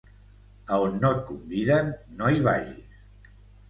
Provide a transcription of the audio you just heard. A on no et conviden, no hi vagis.